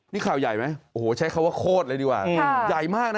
นี่ข่าวใหญ่ไหมใช้คำว่าโคตรเลยดีกว่า